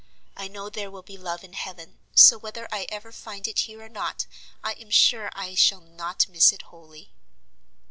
I know there will be love in heaven; so, whether I ever find it here or not, I am sure I shall not miss it wholly."